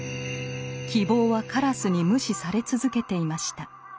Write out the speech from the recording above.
「希望」は鴉に無視され続けていました。